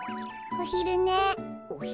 おひるね？